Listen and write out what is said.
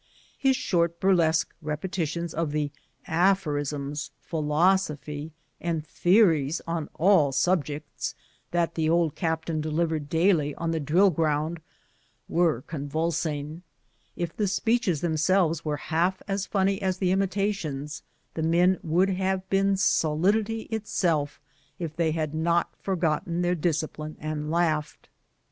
His short burlesque repetitions of the aphorisms, philosophy, and theories on all subjects, that the old captain delivered daily on the drill ground, were convulsing. If the speeches themselves were half as funny as the imitations, the men would have been sto lidity itself if they had not forgotten their discipline and laughed.